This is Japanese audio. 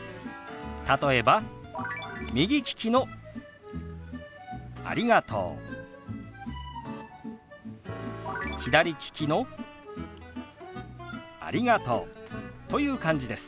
例えば右利きの「ありがとう」左利きの「ありがとう」という感じです。